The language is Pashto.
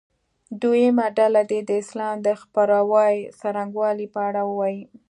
دویمه ډله دې د اسلام د خپراوي څرنګوالي په اړه ووایي.